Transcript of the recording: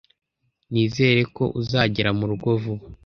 Nizere ko uzagera murugo vuba.